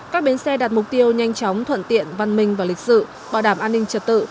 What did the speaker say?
các bến xe đạt mục tiêu nhanh chóng thuận tiện văn minh và lịch sự bảo đảm an ninh trật tự